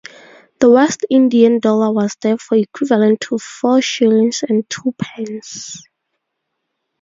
The West Indian dollar was therefore equivalent to four shillings and two pence.